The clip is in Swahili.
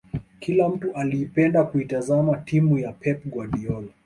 Kila mtu aliipenda kuitazama timu ya pep guardiola